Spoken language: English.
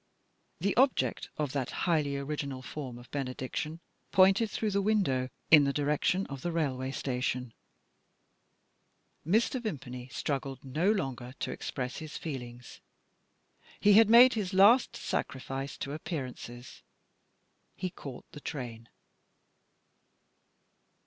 The object of that highly original form of benediction pointed through the window in the direction of the railway station. Mr. Vimpany struggled no longer to express his feelings he had made his last sacrifice to appearances he caught the train.